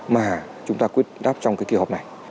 mà chúng ta quyết đáp trong kỳ họp này